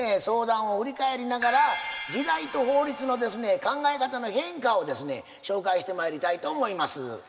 相談を振り返りながら時代と法律のですね考え方の変化をですね紹介してまいりたいと思います。